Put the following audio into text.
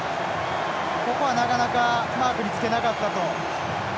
ここはなかなかマークにつけなかったと。